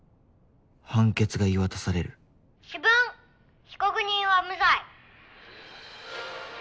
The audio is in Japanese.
判決が言い渡される主文被告人は無罪。